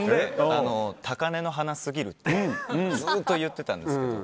高嶺の花すぎるってずっと言ってたんですけど